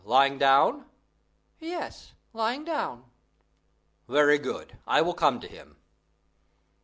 lying down?" "Yes, lying down." "Very well, I will come to him."